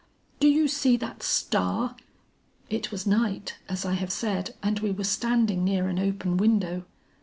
Do you see that star?' It was night as I have said and we were standing near an open window.